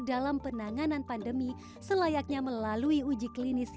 dalam penanganan pandemi selayaknya melalui uji klinis